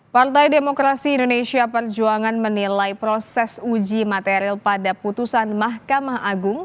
partai demokrasi indonesia perjuangan menilai proses uji material pada putusan mahkamah agung